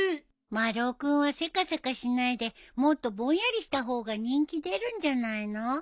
丸尾君はせかせかしないでもっとぼんやりした方が人気出るんじゃないの。